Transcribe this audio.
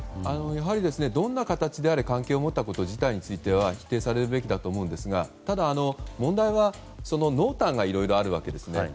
やはりどんな形であれ関係を持ったこと自体については否定されるべきだと思いますがただ、問題は濃淡がいろいろあるわけですね。